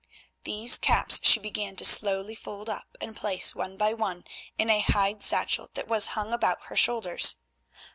These caps she began to slowly fold up and place one by one in a hide satchel that was hung about her shoulders.